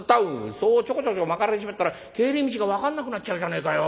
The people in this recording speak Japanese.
そうちょこちょこ曲がられちまったら帰り道が分かんなくなっちゃうじゃねえかよ。